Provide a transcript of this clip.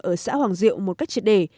ở xã hoàng diệu một cách triệt đề